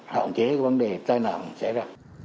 hạn chế vấn đề tai nạn sẽ ra